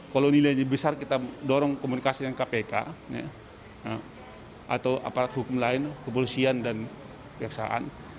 kalau nilainya besar kita dorong komunikasi dengan kpk atau aparat hukum lain kepolisian dan kejaksaan